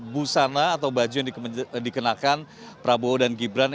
busana atau baju yang dikenakan prabowo dan gibran